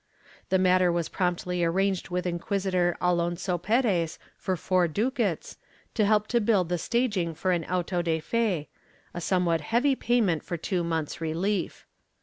The matter was promptly arranged with Inquisitor Alonso P^rez for four ducats, to help to build the staging for an auto de fe — a somewhat heavy payment for two months' relief.'